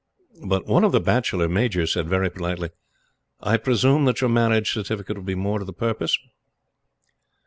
But one of the Bachelor Majors said very politely: "I presume that your marriage certificate would be more to the purpose?"